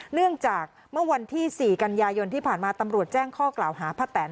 เนื่องจากเมื่อวันที่๔กันยายนที่ผ่านมาตำรวจแจ้งข้อกล่าวหาป้าแตน